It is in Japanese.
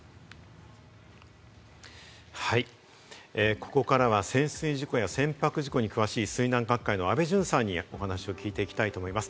ここからは潜水事故や船舶事故に詳しい水難学会の安倍淳さんにお話を聞いていきたいと思います。